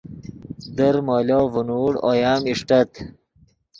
در مولو ڤینوڑ اویم اݰٹت